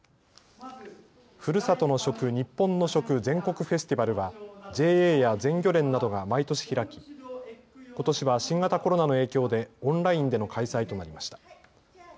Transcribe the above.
ふるさとの食にっぽんの食全国フェスティバルはＪＡや全漁連などが毎年開きことしは新型コロナの影響でオンラインでの開催となりました。